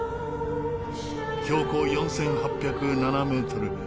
標高４８０７メートル。